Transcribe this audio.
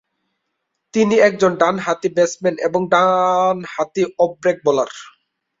তিনি একজন ডানহাতি ব্যাটসম্যান এবং ডানহাতি অফ ব্রেক বোলার।